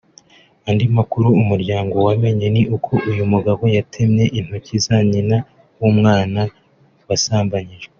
Andi makuru Umuryango wamenye ni uko uyu mugabo yatemye intoki za nyina w’ umwana wasambanyijwe